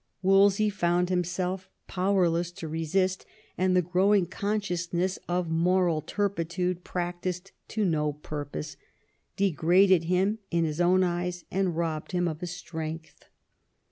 Wolsey found himself powerless to resist, and the growing consciousness of moral turpitude practised to no purpose degraded him in his own eyes and robbed him of his strength.